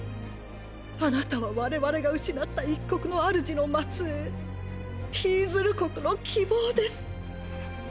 あなたは我々が失った一国の主の末裔ヒィズル国の希望です！